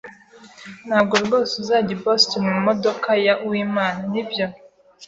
Ntabwo rwose uzajya i Boston mumodoka ya Uwimana, nibyo?